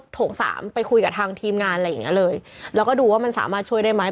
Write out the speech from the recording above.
เข้าถงสามไปคุยกับทางทีมงานแล้วก็ดูว่าสามารถช่วยได้ไหม